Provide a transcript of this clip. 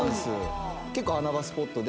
結構穴場スポットで。